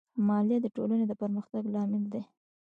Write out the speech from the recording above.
مالیه د ټولنې د پرمختګ لامل دی.